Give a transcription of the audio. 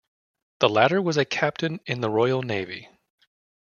The latter was a Captain in the Royal Navy.